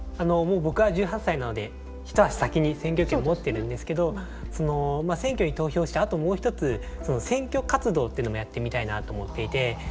僕は１８歳なので一足先に選挙権持ってるんですけど選挙に投票してあともう一つ選挙活動っていうのもやってみたいなと思っていて。